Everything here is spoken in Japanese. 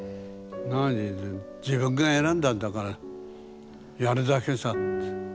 なあに自分が選んだんだからやるだけさ。